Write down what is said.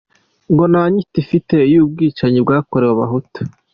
Ngo nta nyito ufite y’ubwicanyi bwakorewe abahutu?